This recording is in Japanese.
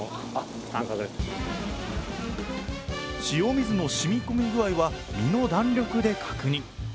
塩水のしみ込み具合は身の弾力で確認。